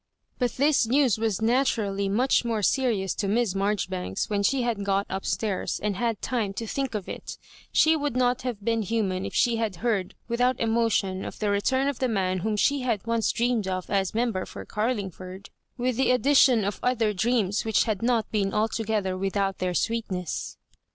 But this news was naturally much more seri ous to Miss Marjoribanks when she had got up stairs, and had time to think of it She would not have been human if she had heard without emotion of the return of the man whom she had once dreamed of as member for Carlingford, with the addition of other dreams which had not been altogether without their sweetness.